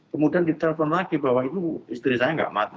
kemudian ditelepon lagi bahwa itu istri saya nggak mati